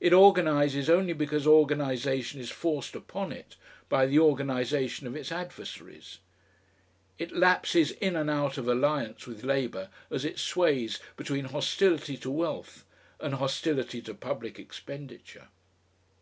It organises only because organisation is forced upon it by the organisation of its adversaries. It lapses in and out of alliance with Labour as it sways between hostility to wealth and hostility to public expenditure....